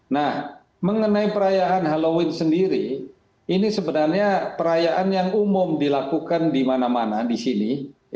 nah mengenai perayaan halloween sendiri ini sebenarnya perayaan yang umum dilakukan di mana mana di sini